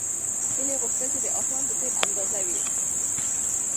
هیلې غوښتل چې د اسمان په څېر ازاده وي.